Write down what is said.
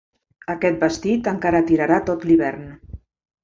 Aquest vestit encara tirarà tot l'hivern.